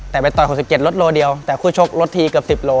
แต่ไปต่อย๖๗ลดโลเดียวแต่คู่ชกลดทีเกือบ๑๐โล